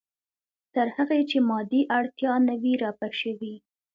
تر هغې چې مادي اړتیا نه وي رفع شوې.